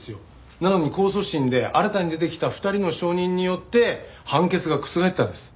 なのに控訴審で新たに出てきた２人の証人によって判決が覆ったんです。